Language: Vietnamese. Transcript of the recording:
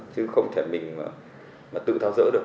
chứ không thể mình mà tự tháo rỡ được